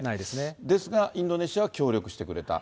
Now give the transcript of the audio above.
ですが、インドネシアは協力してくれた。